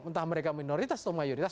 entah mereka minoritas atau mayoritas